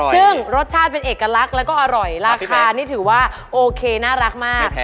ซึ่งรสชาติเป็นเอกลักษณ์แล้วก็อร่อยราคานี่ถือว่าโอเคน่ารักมาก